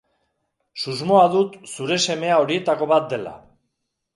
Susmoa dut zure semea horietako bat dela.